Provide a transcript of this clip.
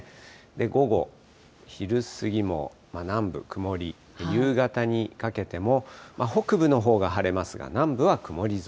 午後、昼過ぎも南部、曇り、夕方にかけても、北部のほうが晴れますが、南部は曇り空。